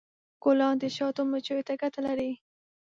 ګلان د شاتو مچیو ته ګټه لري.